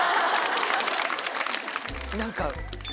何か。